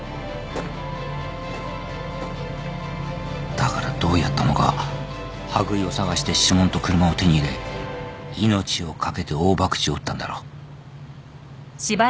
だからどうやったのか羽喰を捜して指紋と車を手に入れ命を懸けて大ばくちを打ったんだろう。